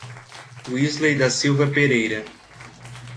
Wisley da Silva Pereira